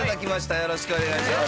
よろしくお願いします。